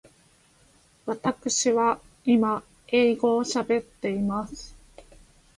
わたくしは今英語を喋っています。